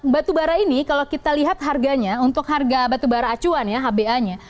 batu bara ini kalau kita lihat harganya untuk harga batubara acuan ya hba nya